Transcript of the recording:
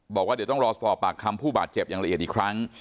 บอกว่าเดี๋ยวต้องรอสอบปากคำผู้บาดเจ็บอย่างละเอียดอีกครั้ง